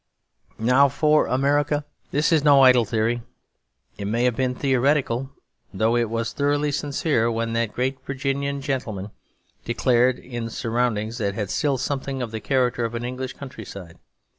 Now for America this is no idle theory. It may have been theoretical, though it was thoroughly sincere, when that great Virginian gentleman declared it in surroundings that still had something of the character of an English countryside.